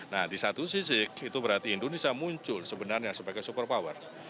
nah di satu sisi itu berarti indonesia muncul sebenarnya sebagai super power